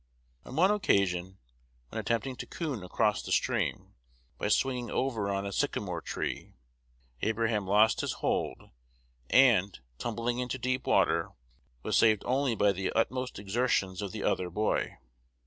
On one occasion, when attempting to "coon" across the stream, by swinging over on a sycamore tree, Abraham lost his hold, and, tumbling into deep water, was saved only by the utmost exertions of the other boy.